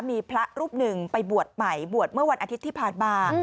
มีพระรูปหนึ่งไปบวชใหม่บวชเมื่อวันอาทิตย์ที่ผ่านมา